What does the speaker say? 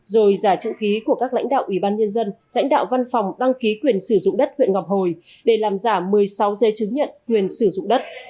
rồi giả chữ ký của các lãnh đạo ủy ban nhân dân lãnh đạo văn phòng đăng ký quyền sử dụng đất huyện ngọc hồi để làm giả một mươi sáu dây chứng nhận quyền sử dụng đất